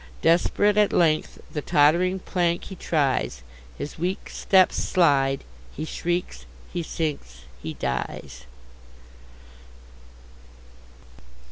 Desperate, at length the tottering plank he tries, His weak steps slide, he shrieks, he sinks—he dies!